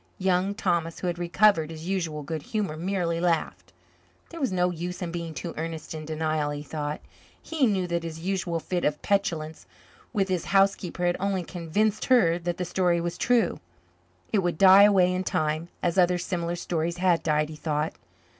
Young Thomas, who had recovered his usual good humour, merely laughed. There was no use in being too earnest in denial, he thought. He knew that his unusual fit of petulance with his housekeeper had only convinced her that the story was true. It would die away in time, as other similar stories had died, he thought.